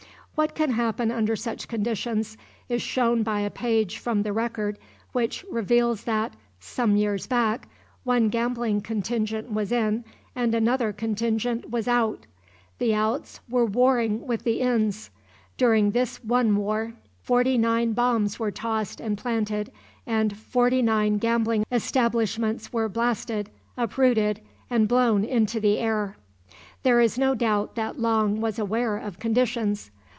What can happen under such conditions is shown by a page from the record which reveals that, some years back, one gambling contingent was in and another contingent was out. The outs were warring with the ins. During this one war 49 bombs were tossed and planted and 49 gambling establishments were blasted, uprooted and blown into the air. There is no doubt that Long was aware of conditions.